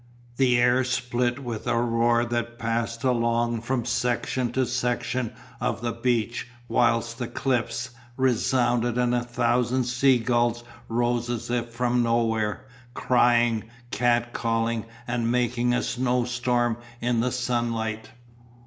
The air split with a roar that passed along from section to section of the beach whilst the cliffs resounded and a thousand sea gulls rose as if from nowhere, crying, cat calling and making a snowstorm in the sunlight.